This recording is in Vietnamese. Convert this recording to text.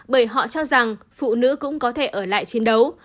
bởi họ cho rằng phụ nữ cũng có thể ở lại chiến đấu